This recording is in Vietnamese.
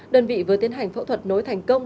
đơn vị vừa tiến hành phẫu thuật nối thành công